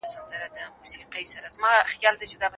که ښځې حقوق پوهانې شي نو عدالت به نه ورکیږي.